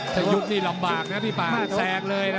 ถ้ายุบนี่ลำบากนะพี่ป่าแซงเลยนะ